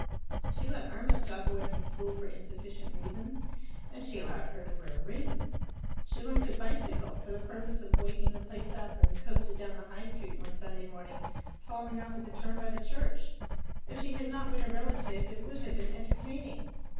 She let Irma stop away from school for insufficient reasons, and she allowed her to wear rings. She learnt to bicycle, for the purpose of waking the place up, and coasted down the High Street one Sunday evening, falling off at the turn by the church. If she had not been a relative, it would have been entertaining.